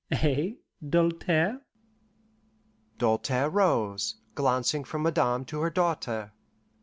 Eh, Doltaire?" Doltaire rose, glancing from Madame to her daughter.